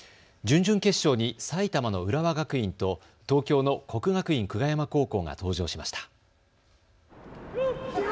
準々決勝に埼玉の浦和学院と東京の国学院久我山高校が登場しました。